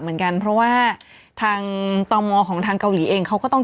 เหมือนกันเพราะว่าทางตมของทางเกาหลีเองเขาก็ต้อง